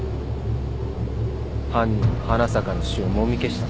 犯人は花坂の死をもみ消したんだ。